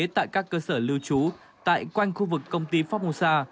tại các cơ sở lưu trú tại quanh khu vực công ty phong musa